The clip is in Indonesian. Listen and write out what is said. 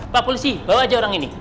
pak polisi bawa aja orang ini